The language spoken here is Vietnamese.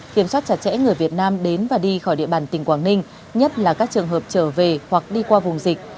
kiểm soát chặt chẽ người việt nam đến và đi khỏi địa bàn tỉnh quảng ninh nhất là các trường hợp trở về hoặc đi qua vùng dịch